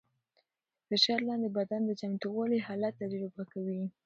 د فشار لاندې بدن د چمتووالي حالت تجربه کوي.